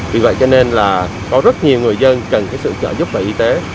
vì vậy cho nên là có rất nhiều người dân cần sự trợ giúp về y tế